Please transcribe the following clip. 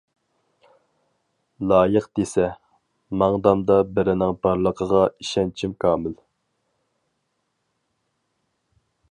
لايىق دېسە، ماڭدامدا بىرىنىڭ بارلىقىغا ئىشەنچىم كامىل.